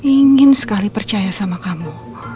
ingin sekali percaya sama kamu